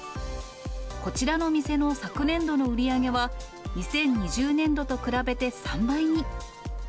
こちらの店の昨年度の売り上げは、２０２０年度と比べて３倍に。